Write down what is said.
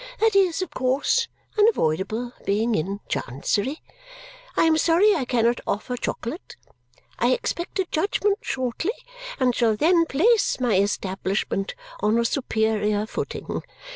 That is, of course, unavoidable, being in Chancery. I am sorry I cannot offer chocolate. I expect a judgment shortly and shall then place my establishment on a superior footing.